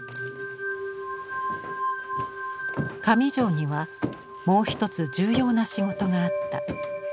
上條にはもう一つ重要な仕事があった。